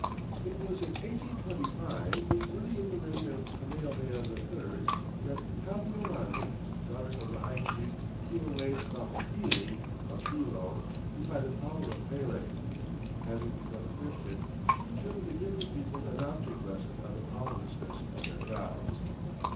It was in 1825, early in the reign of Kamehameha III, that Kapiolani, daughter of the high chief Keawe mauhili, of Hilo, defied the power of Pele. Having become a Christian, she determined to give her people an object lesson on the powerlessness of their gods.